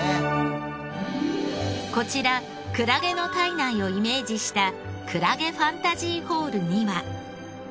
こちらクラゲの体内をイメージしたクラゲファンタジーホールには。